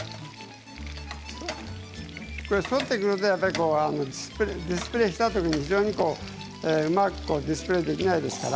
反ってくるとディスプレーしたときにうまくディスプレーできないですから。